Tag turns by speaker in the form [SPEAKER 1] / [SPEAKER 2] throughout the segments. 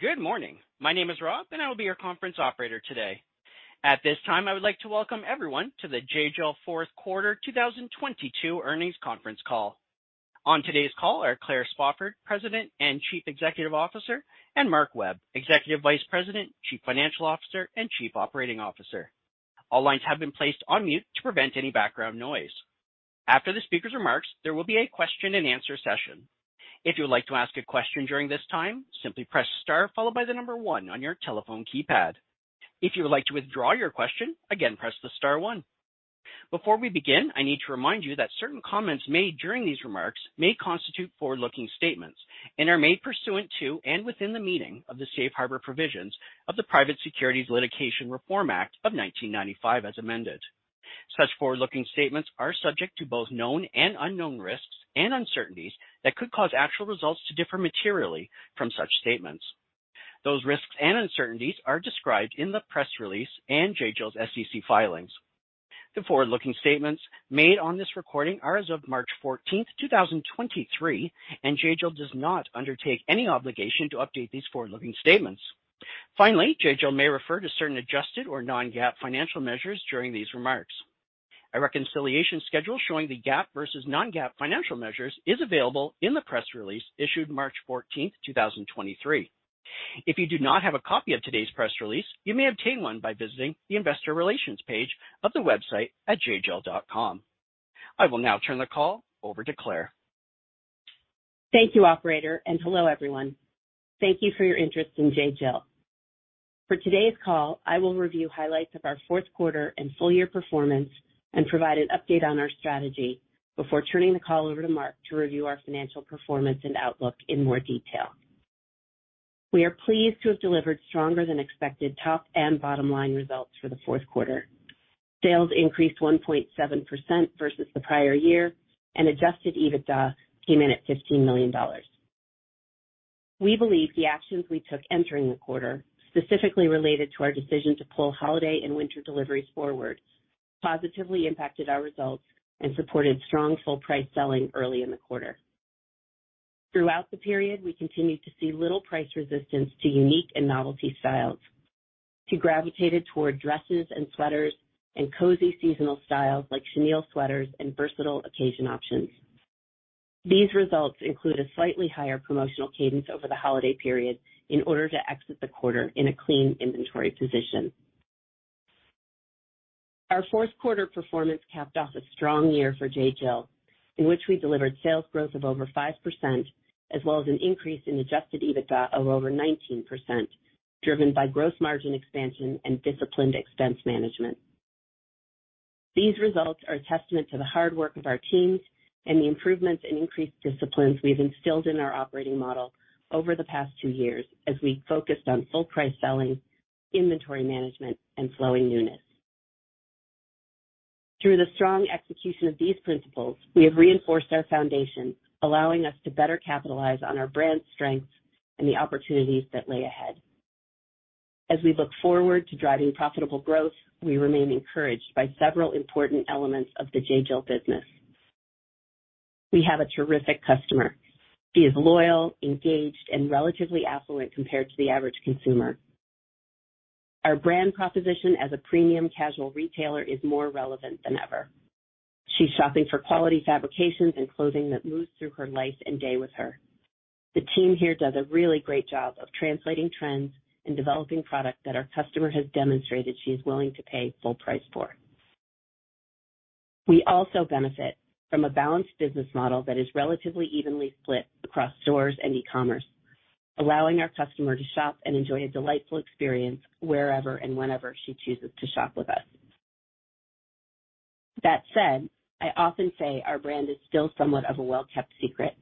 [SPEAKER 1] Good morning. My name is Rob. I will be your conference operator today. At this time, I would like to welcome everyone to the J.Jill Q4 2022 earnings conference call. On today's call are Claire Spofford, President and Chief Executive Officer, and Mark Webb, Executive Vice President, Chief Financial Officer, and Chief Operating Officer. All lines have been placed on mute to prevent any background noise. After the speaker's remarks, there will be a question-and-answer session. If you would like to ask a question during this time, simply press Star followed by the one on your telephone keypad. If you would like to withdraw your question, again, press the Star One. Before we begin, I need to remind you that certain comments made during these remarks may constitute forward-looking statements and are made pursuant to and within the meaning of the safe harbor provisions of the Private Securities Litigation Reform Act of 1995 as amended. Such forward-looking statements are subject to both known and unknown risks and uncertainties that could cause actual results to differ materially from such statements. Those risks and uncertainties are described in the press release and J.Jill's SEC filings. The forward-looking statements made on this recording are as of March 14th, 2023, and J.Jill does not undertake any obligation to update these forward-looking statements. Finally, J.Jill may refer to certain adjusted or non-GAAP financial measures during these remarks. A reconciliation schedule showing the GAAP versus non-GAAP financial measures is available in the press release issued March 14th, 2023. If you do not have a copy of today's press release, you may obtain one by visiting the investor relations page of the website at jjill.com. I will now turn the call over to Claire.
[SPEAKER 2] Thank you, operator. Hello, everyone. Thank you for your interest in J.Jill. For today's call, I will review highlights of our Q4 and full year performance and provide an update on our strategy before turning the call over to Mark to review our financial performance and outlook in more detail. We are pleased to have delivered stronger than expected top and bottom line results for the Q4. Sales increased 1.7% versus the prior year, and adjusted EBITDA came in at $15 million. We believe the actions we took entering the quarter, specifically related to our decision to pull holiday and winter deliveries forward, positively impacted our results and supported strong full price selling early in the quarter. Throughout the period, we continued to see little price resistance to unique and novelty styles. She gravitated toward dresses and sweaters and cozy seasonal styles like chenille sweaters and versatile occasion options. These results include a slightly higher promotional cadence over the holiday period in order to exit the quarter in a clean inventory position. Our Q4 performance capped off a strong year for J.Jill, in which we delivered sales growth of over 5% as well as an increase in adjusted EBITDA of over 19%, driven by gross margin expansion and disciplined expense management. These results are a testament to the hard work of our teams and the improvements and increased disciplines we've instilled in our operating model over the past two years as we focused on full price selling, inventory management, and flowing newness. Through the strong execution of these principles, we have reinforced our foundation, allowing us to better capitalize on our brand strengths and the opportunities that lay ahead. As we look forward to driving profitable growth, we remain encouraged by several important elements of the J.Jill business. We have a terrific customer. She is loyal, engaged, and relatively affluent compared to the average consumer. Our brand proposition as a premium casual retailer is more relevant than ever. She's shopping for quality fabrications and clothing that moves through her life and day with her. The team here does a really great job of translating trends and developing product that our customer has demonstrated she is willing to pay full price for. We also benefit from a balanced business model that is relatively evenly split across stores and e-commerce, allowing our customer to shop and enjoy a delightful experience wherever and whenever she chooses to shop with us. That said, I often say our brand is still somewhat of a well-kept secret,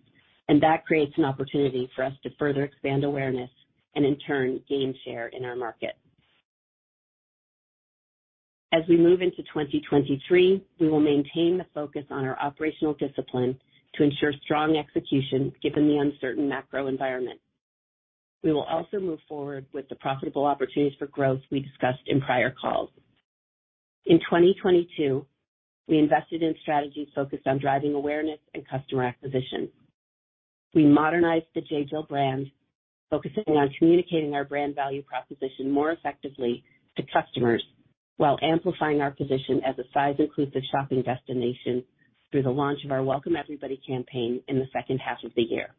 [SPEAKER 2] and that creates an opportunity for us to further expand awareness and in turn, gain share in our market. As we move into 2023, we will maintain the focus on our operational discipline to ensure strong execution given the uncertain macro environment. We will also move forward with the profitable opportunities for growth we discussed in prior calls. In 2022, we invested in strategies focused on driving awareness and customer acquisition. We modernized the J.Jill brand, focusing on communicating our brand value proposition more effectively to customers while amplifying our position as a size-inclusive shopping destination through the launch of our Welcome Everybody campaign in the second half of the year.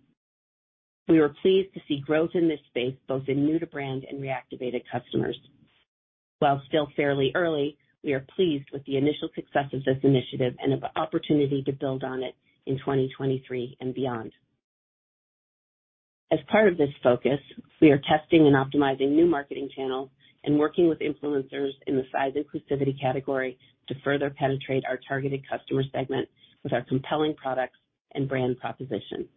[SPEAKER 2] We were pleased to see growth in this space, both in new to brand and reactivated customers. While still fairly early, we are pleased with the initial success of this initiative and have the opportunity to build on it in 2023 and beyond. As part of this focus, we are testing and optimizing new marketing channels and working with influencers in the size inclusivity category to further penetrate our targeted customer segment with our compelling products and brand proposition.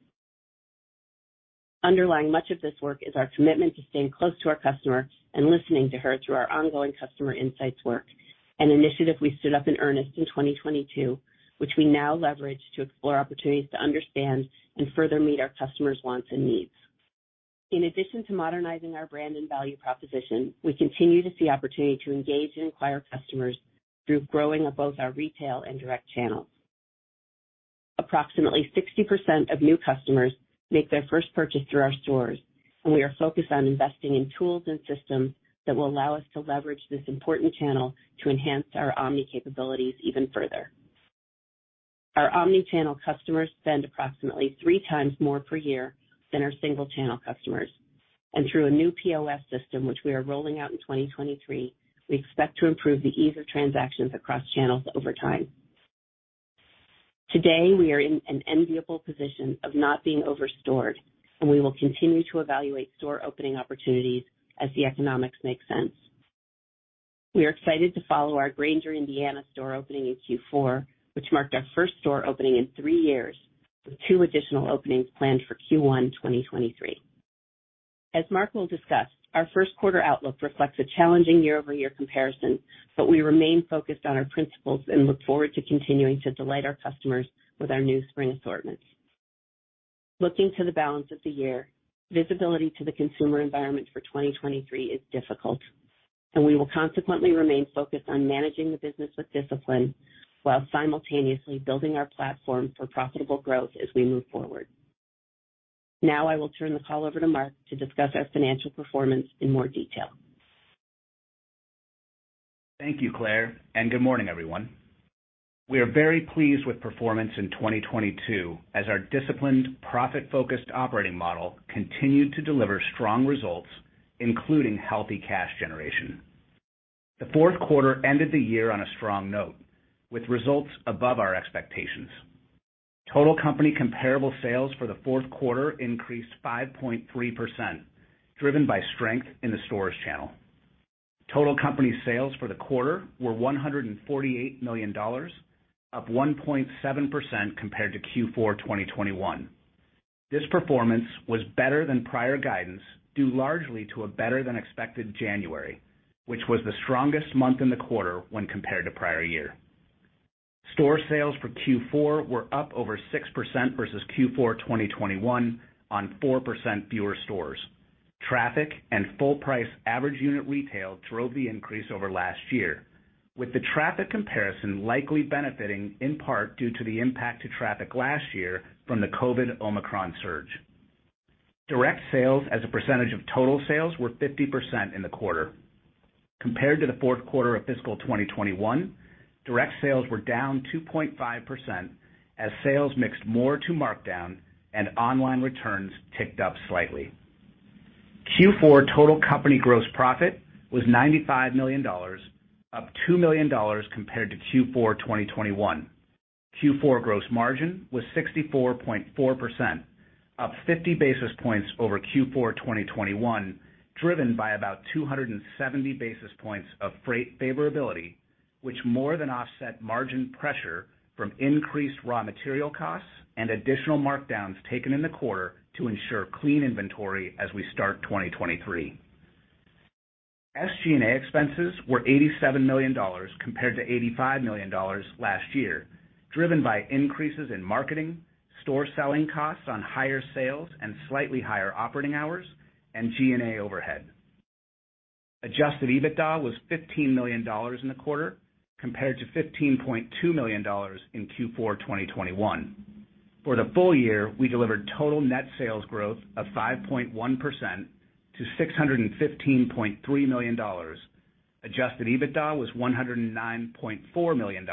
[SPEAKER 2] Underlying much of this work is our commitment to staying close to our customer and listening to her through our ongoing customer insights work, an initiative we stood up in earnest in 2022, which we now leverage to explore opportunities to understand and further meet our customers' wants and needs. In addition to modernizing our brand and value proposition, we continue to see opportunity to engage and acquire customers through growing of both our retail and direct channels. Approximately 60% of new customers make their first purchase through our stores, and we are focused on investing in tools and systems that will allow us to leverage this important channel to enhance our omni capabilities even further. Our omni-channel customers spend approximately three times more per year than our single channel customers. Through a new POS system, which we are rolling out in 2023, we expect to improve the ease of transactions across channels over time. Today, we are in an enviable position of not being over stored, and we will continue to evaluate store opening opportunities as the economics make sense. We are excited to follow our Granger, Indiana store opening in Q4, which marked our first store opening in 3 years, with 2 additional openings planned for Q1 2023. As Mark will discuss, our Q1 outlook reflects a challenging year-over-year comparison, but we remain focused on our principles and look forward to continuing to delight our customers with our new spring assortments. Looking to the balance of the year, visibility to the consumer environment for 2023 is difficult, and we will consequently remain focused on managing the business with discipline while simultaneously building our platform for profitable growth as we move forward. Now I will turn the call over to Mark to discuss our financial performance in more detail.
[SPEAKER 3] Thank you, Claire, and good morning, everyone. We are very pleased with performance in 2022 as our disciplined, profit-focused operating model continued to deliver strong results, including healthy cash generation. The Q4 ended the year on a strong note, with results above our expectations. Total company comparable sales for the Q4 increased 5.3%, driven by strength in the stores channel. Total company sales for the quarter were $148 million, up 1.7% compared to Q4 2021. This performance was better than prior guidance due largely to a better than expected January, which was the strongest month in the quarter when compared to prior year. Store sales for Q4 were up over 6% versus Q4 2021 on 4% fewer stores. Traffic and full price average unit retail drove the increase over last year, with the traffic comparison likely benefiting in part due to the impact to traffic last year from the COVID Omicron surge. Direct sales as a percentage of total sales were 50% in the quarter. Compared to the Q4 of fiscal 2021, direct sales were down 2.5% as sales mixed more to markdown and online returns ticked up slightly. Q4 total company gross profit was $95 million, up $2 million compared to Q4 2021. Q4 gross margin was 64.4%, up 50 basis points over Q4 2021, driven by about 270 basis points of freight favorability, which more than offset margin pressure from increased raw material costs and additional markdowns taken in the quarter to ensure clean inventory as we start 2023. SG&A expenses were $87 million compared to $85 million last year, driven by increases in marketing, store selling costs on higher sales and slightly higher operating hours and G&A overhead. Adjusted EBITDA was $15 million in the quarter, compared to $15.2 million in Q4 2021. For the full year, we delivered total net sales growth of 5.1% to $615.3 million. Adjusted EBITDA was $109.4 million,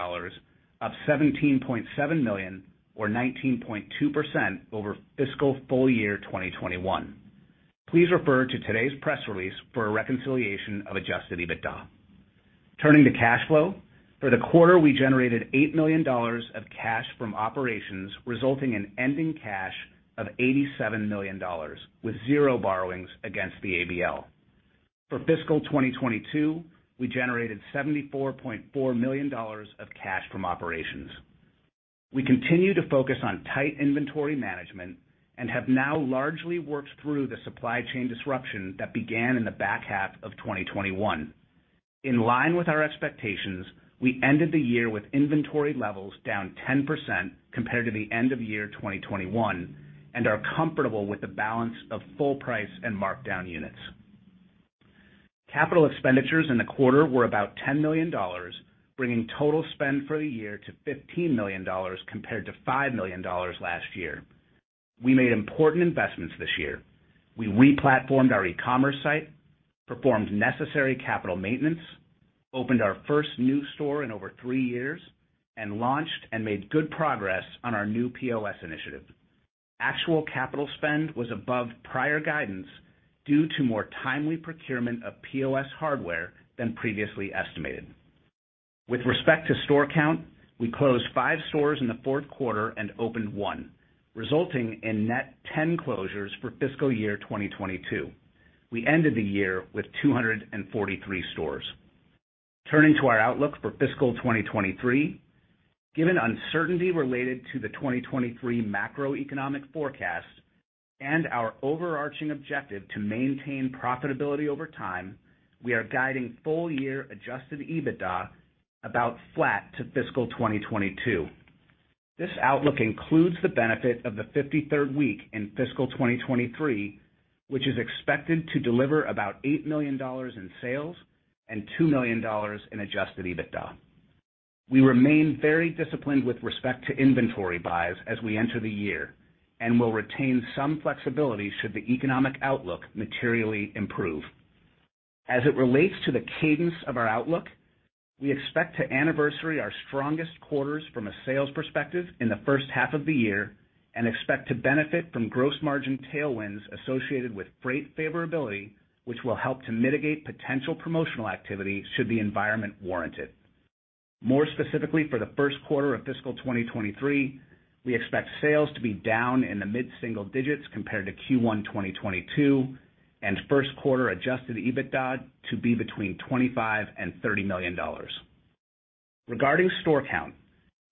[SPEAKER 3] up $17.7 million or 19.2% over fiscal full year 2021. Please refer to today's press release for a reconciliation of adjusted EBITDA. Turning to cash flow. For the quarter, we generated $8 million of cash from operations, resulting in ending cash of $87 million, with 0 borrowings against the ABL. For fiscal 2022, we generated $74.4 million of cash from operations. We continue to focus on tight inventory management and have now largely worked through the supply chain disruption that began in the back half of 2021. In line with our expectations, we ended the year with inventory levels down 10% compared to the end of year 2021 and are comfortable with the balance of full price and markdown units. Capital expenditures in the quarter were about $10 million, bringing total spend for the year to $15 million compared to $5 million last year. We made important investments this year. We re-platformed our e-commerce site, performed necessary capital maintenance, opened our first new store in over three years, and launched and made good progress on our new POS initiative. Actual capital spend was above prior guidance due to more timely procurement of POS hardware than previously estimated. With respect to store count, we closed 5 stores in the Q4 and opened 1, resulting in net 10 closures for fiscal year 2022. We ended the year with 243 stores. Turning to our outlook for fiscal 2023. Given uncertainty related to the 2023 macroeconomic forecast and our overarching objective to maintain profitability over time, we are guiding full year adjusted EBITDA about flat to fiscal 2022. This outlook includes the benefit of the 53rd week in fiscal 2023, which is expected to deliver about $8 million in sales and $2 million in adjusted EBITDA. We remain very disciplined with respect to inventory buys as we enter the year and will retain some flexibility should the economic outlook materially improve. As it relates to the cadence of our outlook, we expect to anniversary our strongest quarters from a sales perspective in the first half of the year and expect to benefit from gross margin tailwinds associated with freight favorability, which will help to mitigate potential promotional activity should the environment warrant it. More specifically, for the Q1 of fiscal 2023, we expect sales to be down in the mid-single digits compared to Q1 2022, and Q1 adjusted EBITDA to be between $25 million and $30 million. Regarding store count,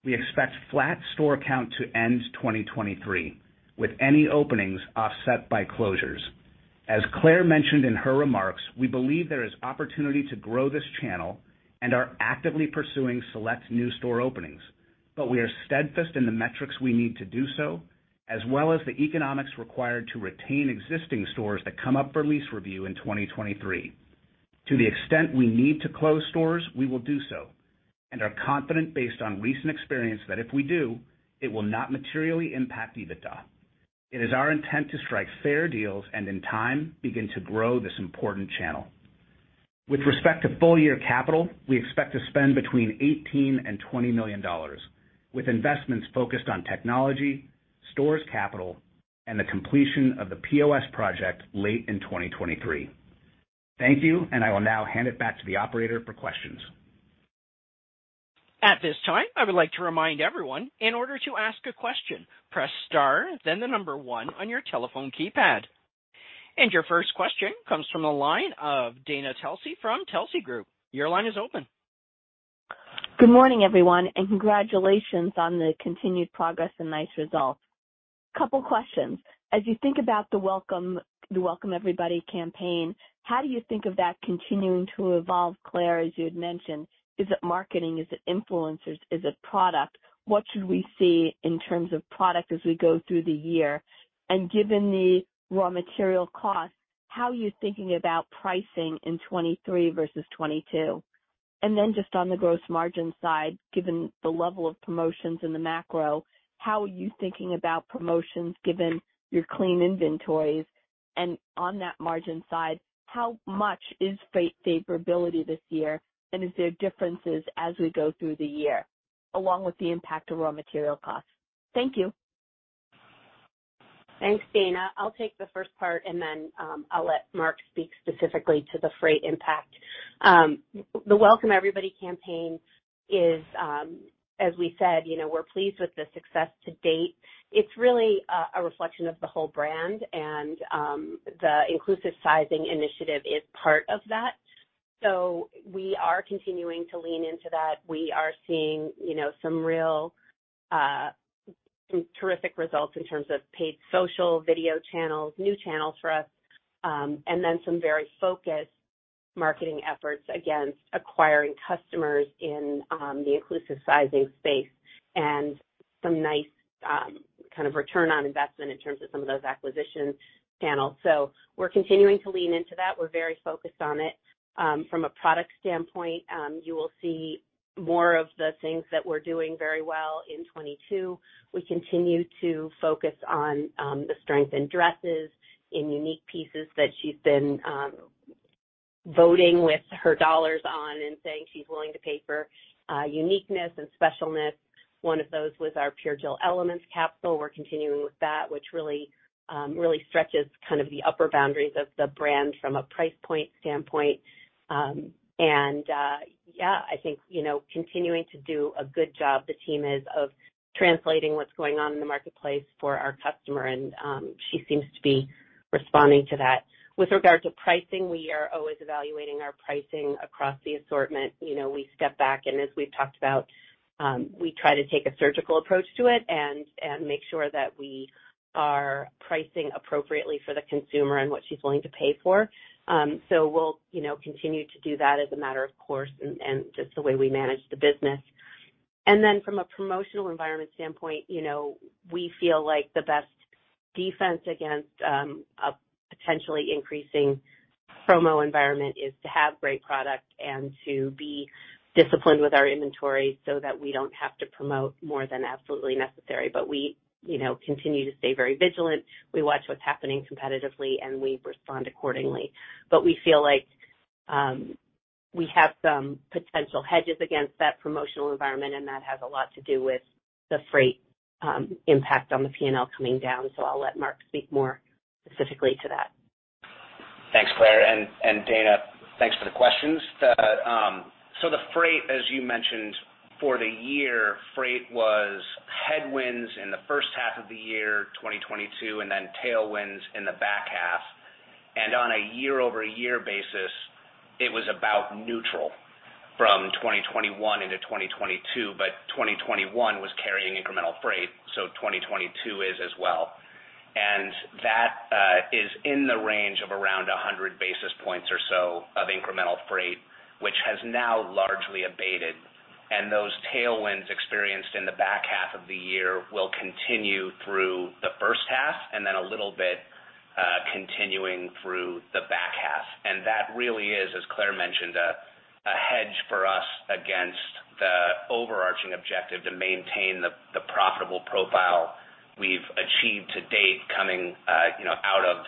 [SPEAKER 3] we expect flat store count to end 2023, with any openings offset by closures. As Claire mentioned in her remarks, we believe there is opportunity to grow this channel and are actively pursuing select new store openings. We are steadfast in the metrics we need to do so, as well as the economics required to retain existing stores that come up for lease review in 2023. To the extent we need to close stores, we will do so and are confident based on recent experience that if we do, it will not materially impact EBITDA. It is our intent to strike fair deals and in time, begin to grow this important channel. With respect to full-year capital, we expect to spend between 18 and $20 million, with investments focused on technology, stores capital, and the completion of the POS project late in 2023. Thank you. I will now hand it back to the operator for questions.
[SPEAKER 1] At this time, I would like to remind everyone, in order to ask a question, press star then one on your telephone keypad. Your first question comes from the line of Dana Telsey from Telsey Group. Your line is open.
[SPEAKER 4] Good morning, everyone, congratulations on the continued progress and nice results. Couple questions. As you think about the Welcome Everybody campaign, how do you think of that continuing to evolve, Claire, as you had mentioned? Is it marketing? Is it influencers? Is it product? What should we see in terms of product as we go through the year? Given the raw material costs, how are you thinking about pricing in 2023 versus 2022? Just on the gross margin side, given the level of promotions in the macro, how are you thinking about promotions given your clean inventories? On that margin side, how much is freight favorability this year, and is there differences as we go through the year, along with the impact of raw material costs? Thank you.
[SPEAKER 2] Thanks, Dana. I'll take the first part, and then I'll let Mark speak specifically to the freight impact. The Welcome Everybody campaign is, as we said we're pleased with the success to date. It's really a reflection of the whole brand and the inclusive sizing initiative is part of that. We are continuing to lean into that. We are seeing some real some terrific results in terms of paid social video channels, new channels for us, and then some very focused marketing efforts against acquiring customers in the inclusive sizing space and some nice kind of return on investment in terms of some of those acquisition channels. We're continuing to lean into that. We're very focused on it. From a product standpoint, you will see more of the things that we're doing very well in 2022. We continue to focus on the strength in dresses, in unique pieces that she's been voting with her dollars on and saying she's willing to pay for uniqueness and specialness. One of those was our Pure Jill Elements capital. We're continuing with that, which really stretches kind of the upper boundaries of the brand from a price point standpoint. Yeah, I think continuing to do a good job, the team is of translating what's going on in the marketplace for our customer, and she seems to be responding to that. With regard to pricing, we are always evaluating our pricing across the assortment. You know, we step back and as we've talked about, we try to take a surgical approach to it and make sure that we are pricing appropriately for the consumer and what she's willing to pay for. we'll continue to do that as a matter of course and just the way we manage the business. Then from a promotional environment standpoint we feel like the best defense against a potentially increasing promo environment is to have great product and to be disciplined with our inventory so that we don't have to promote more than absolutely necessary. We continue to stay very vigilant. We watch what's happening competitively, and we respond accordingly. We feel like, we have some potential hedges against that promotional environment, and that has a lot to do with the freight, impact on the P&L coming down. I'll let Mark speak more specifically to that.
[SPEAKER 3] Thanks, Claire, and Dana, thanks for the questions. The freight, as you mentioned, for the year, freight was headwinds in the first half of the year, 2022, and then tailwinds in the back half. On a year-over-year basis, it was about neutral from 2021 into 2022, but 2021 was carrying incremental freight, so 2022 is as well. That is in the range of around 100 basis points or so of incremental freight. Has now largely abated. Those tailwinds experienced in the back half of the year will continue through the first half and then a little bit, continuing through the back half. That really is, as Claire mentioned, a hedge for us against the overarching objective to maintain the profitable profile we've achieved to date coming out of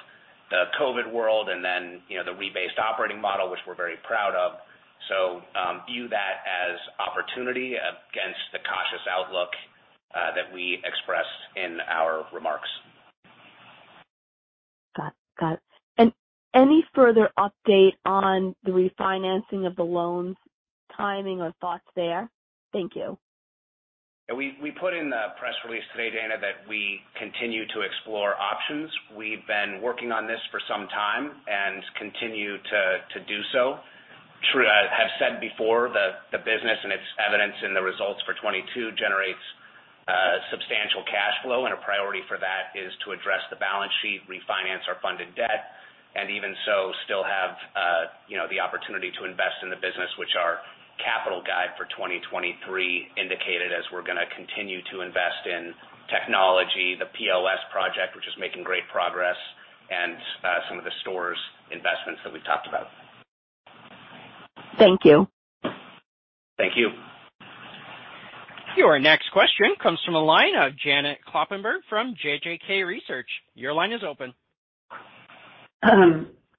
[SPEAKER 3] the COVID world and then the rebased operating model, which we're very proud of. View that as opportunity against the cautious outlook that we expressed in our remarks.
[SPEAKER 4] Got it. Any further update on the refinancing of the loans, timing or thoughts there? Thank you.
[SPEAKER 3] We put in the press release today, Dana, that we continue to explore options. We've been working on this for some time and continue to do so. I have said before the business and its evidence in the results for 22 generates substantial cash flow and a priority for that is to address the balance sheet, refinance our funded debt, and even so, still have the opportunity to invest in the business which our capital guide for 2023 indicated as we're gonna continue to invest in technology, the POS project, which is making great progress and some of the stores investments that we've talked about.
[SPEAKER 4] Thank you.
[SPEAKER 3] Thank you. Your next question comes from a line of Janet Kloppenburg from JJK Research. Your line is open.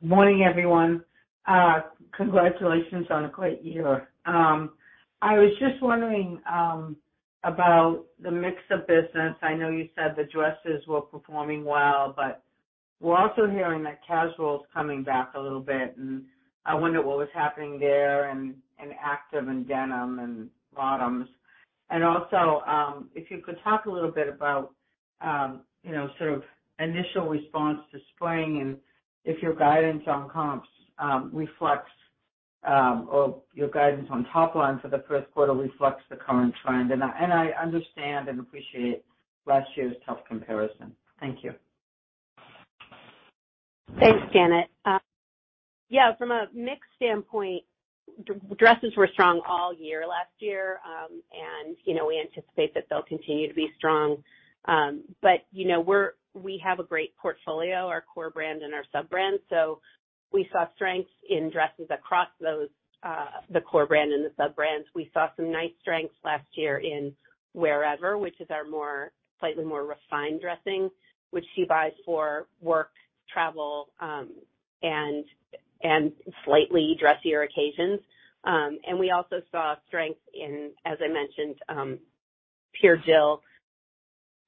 [SPEAKER 5] Morning, everyone. Congratulations on a great year. I was just wondering about the mix of business. I know you said the dresses were performing well, but we're also hearing that casual is coming back a little bit, and I wonder what was happening there in active and denim and bottoms. Also, if you could talk a little bit about sort of initial response to spring and if your guidance on comps reflects or your guidance on top line for the Q1 reflects the current trend. I understand and appreciate last year's tough comparison. Thank you.
[SPEAKER 2] Thanks, Janet. Yeah, from a mix standpoint, dresses were strong all year last year. We have a great portfolio, our core brand and our sub-brands. We saw strength in dresses across those, the core brand and the sub-brands. We saw some nice strengths last year in Wherever, which is our more slightly more refined dressing, which she buys for work, travel, and slightly dressier occasions. We also saw strength in, as I mentioned, Pure Jill.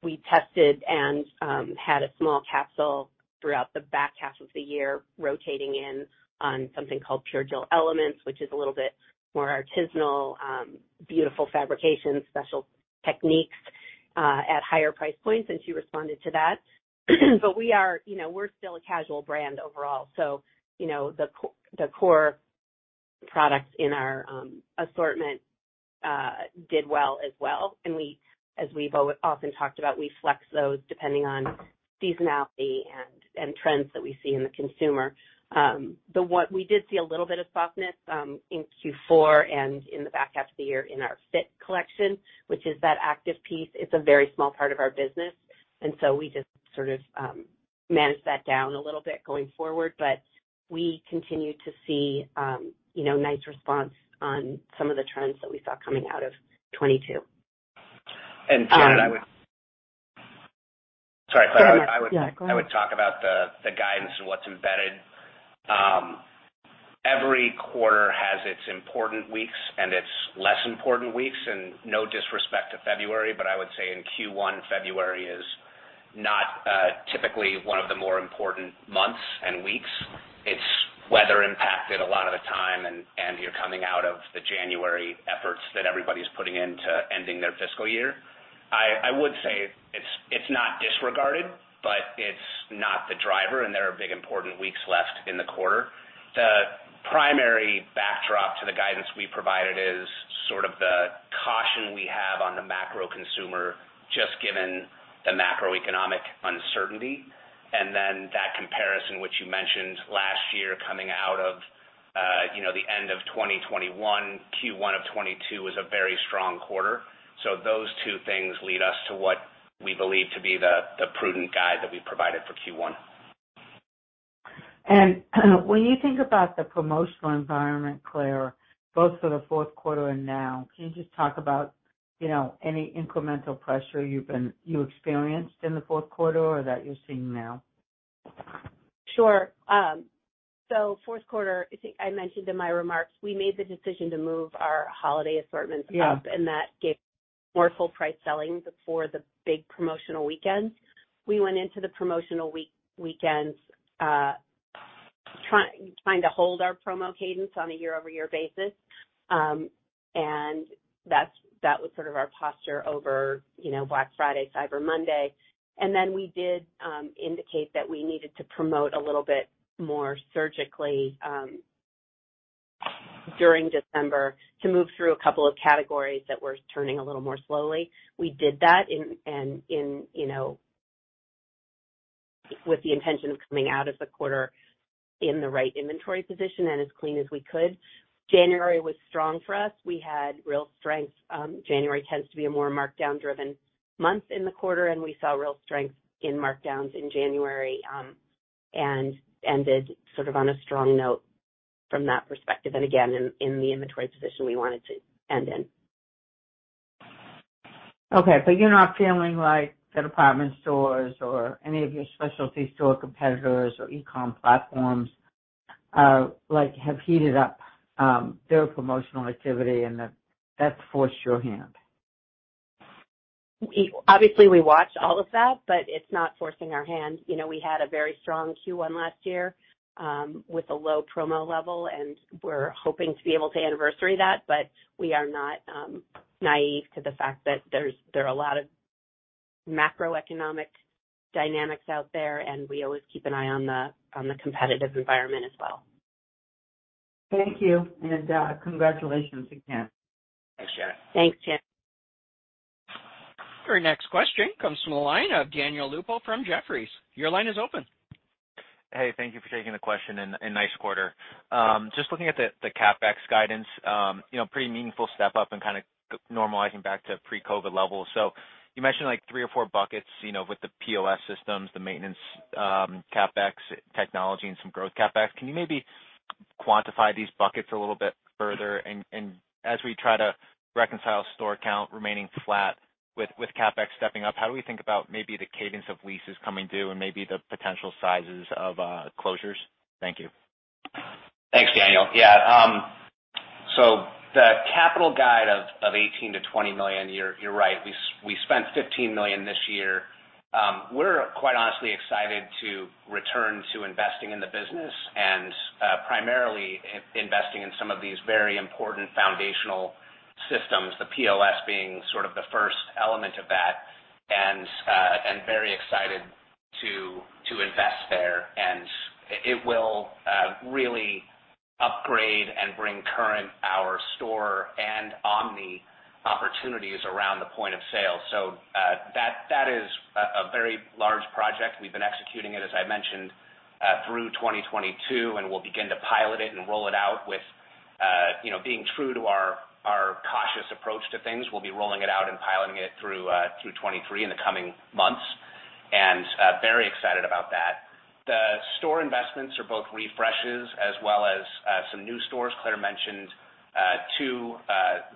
[SPEAKER 2] We tested and had a small capsule throughout the back half of the year rotating in on something called Pure Jill Elements, which is a little bit more artisanal, beautiful fabrication, special techniques, at higher price points, and she responded to that. We are we're still a casual brand overall. the core products in our assortment did well as well. We, as we've often talked about, we flex those depending on seasonality and trends that we see in the consumer. We did see a little bit of softness in Q4 and in the back half of the year in our FIT collection, which is that active piece. It's a very small part of our business, and so we just sort of managed that down a little bit going forward. We continue to see nice response on some of the trends that we saw coming out of 2022.
[SPEAKER 3] Janet, I would
[SPEAKER 5] Um
[SPEAKER 3] Sorry, Claire. Yeah, go ahead.
[SPEAKER 2] I would talk about the guidance and what's embedded. Every quarter has its important weeks and its less important weeks. No disrespect to February, but I would say in Q1, February is not typically one of the more important months and weeks. It's weather impacted a lot of the time and you're coming out of the January efforts that everybody's putting in to ending their fiscal year. I would say it's not disregarded, but it's not the driver, and there are big, important weeks left in the quarter. The primary backdrop to the guidance we provided is sort of the caution we have on the macro consumer, just given the macroeconomic uncertainty. Then that comparison, which you mentioned last year coming out of the end of 2021, Q1 of 2022 was a very strong quarter. Those two things lead us to what we believe to be the prudent guide that we provided for Q1.
[SPEAKER 5] When you think about the promotional environment, Claire, both for the Q4 and now, can you just talk about any incremental pressure you experienced in the Q4 or that you're seeing now?
[SPEAKER 2] Sure. Q4, I think I mentioned in my remarks, we made the decision to move our holiday assortments.
[SPEAKER 5] Yeah.
[SPEAKER 2] and that gave more full price selling before the big promotional weekends. We went into the promotional weekends, trying to hold our promo cadence on a year-over-year basis. that was sort of our posture over Black Friday, Cyber Monday. We did indicate that we needed to promote a little bit more surgically during December to move through a couple of categories that were turning a little more slowly. We did that in,.
[SPEAKER 3] With the intention of coming out of the quarter in the right inventory position and as clean as we could. January was strong for us. We had real strength. January tends to be a more markdown driven month in the quarter, and we saw real strength in markdowns in January, and ended sort of on a strong note from that perspective and again, in the inventory position we wanted to end in.
[SPEAKER 5] Okay. you're not feeling like the department stores or any of your specialty store competitors or e-com platforms, like, have heated up their promotional activity and that that's forced your hand.
[SPEAKER 3] Obviously, we watch all of that, but it's not forcing our hand. we had a very strong Q1 last year, with a low promo level, and we're hoping to be able to anniversary that. We are not naive to the fact that there are a lot of macroeconomic dynamics out there, and we always keep an eye on the, on the competitive environment as well.
[SPEAKER 5] Thank you. Congratulations again.
[SPEAKER 3] Thanks, Janet.
[SPEAKER 1] Our next question comes from the line of Daniel Lupo from Jefferies. Your line is open.
[SPEAKER 6] Thank you for taking the question, and nice quarter. Just looking at the CapEx guidance pretty meaningful step up and kind of normalizing back to pre-COVID levels. You mentioned like 3 or 4 buckets with the POS systems, the maintenance, CapEx technology and some growth CapEx. Can you maybe quantify these buckets a little bit further? As we try to reconcile store count remaining flat with CapEx stepping up, how do we think about maybe the cadence of leases coming due and maybe the potential sizes of closures? Thank you.
[SPEAKER 3] Thanks, Daniel. The capital guide of $18 million-$20 million, you're right, we spent $15 million this year. We're quite honestly excited to return to investing in the business and primarily investing in some of these very important foundational systems, the POS being sort of the first element of that, and very excited to invest there. It will really upgrade and bring current our store and omni opportunities around the point of sale. That is a very large project. We've been executing it, as I mentioned, through 2022, and we'll begin to pilot it and roll it out with being true to our cautious approach to things. We'll be rolling it out and piloting it through 2023 in the coming months. Very excited about that. The store investments are both refreshes as well as some new stores. Claire mentioned 2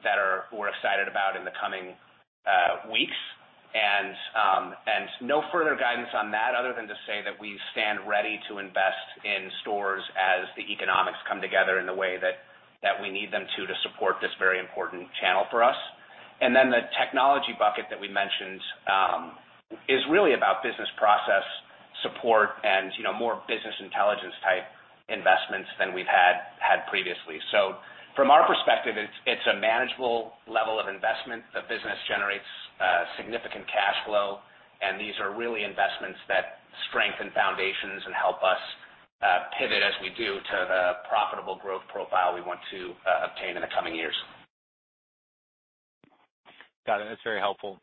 [SPEAKER 3] that are we're excited about in the coming weeks. No further guidance on that other than to say that we stand ready to invest in stores as the economics come together in the way that we need them to support this very important channel for us. The technology bucket that we mentioned is really about business process support and more business intelligence type investments than we've had previously. From our perspective, it's a manageable level of investment. The business generates significant cash flow, and these are really investments that strengthen foundations and help us pivot as we do to the profitable growth profile we want to obtain in the coming years.
[SPEAKER 6] Got it. That's very helpful.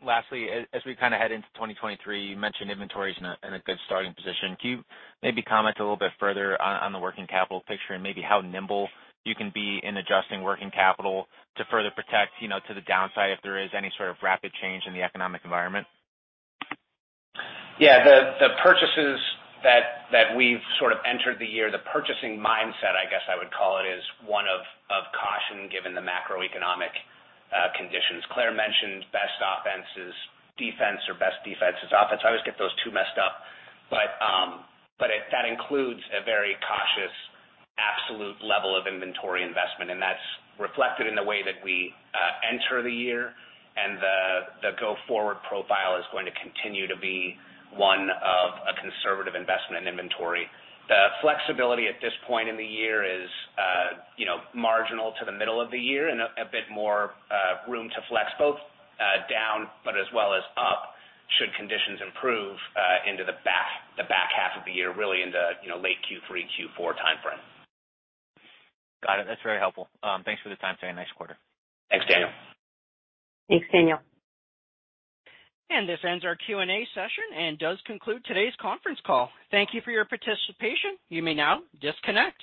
[SPEAKER 6] Lastly, as we kinda head into 2023, you mentioned inventory's in a good starting position. Can you maybe comment a little bit further on the working capital picture and maybe how nimble you can be in adjusting working capital to further protect to the downside if there is any sort of rapid change in the economic environment?
[SPEAKER 3] The purchases that we've sort of entered the year, the purchasing mindset, I guess I would call it, is one of caution given the macroeconomic conditions. Claire mentioned best offense is defense or best defense is offense. I always get those two messed up. That includes a very cautious, absolute level of inventory investment, and that's reflected in the way that we enter the year. The go-forward profile is going to continue to be one of a conservative investment in inventory. The flexibility at this point in the year is marginal to the middle of the year and a bit more room to flex both down, but as well as up should conditions improve into the back half of the year, really into late Q3, Q4 timeframe.
[SPEAKER 6] Got it. That's very helpful. Thanks for the time today, nice quarter.
[SPEAKER 3] Thanks, Daniel.
[SPEAKER 5] Thanks, Daniel.
[SPEAKER 1] This ends our Q&A session and does conclude today's conference call. Thank you for your participation. You may now disconnect.